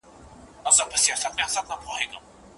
دواړه اړخونه بايد يو د بل ځانګړني هم تشخيص کړي.